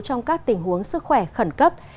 trong các tình huống sức khỏe khẩn cấp